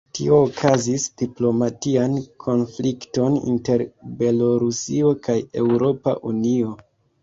Tio kaŭzis diplomatian konflikton inter Belorusio kaj Eŭropa Unio.